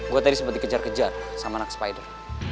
gue tadi sempat dikejar kejar sama anak spider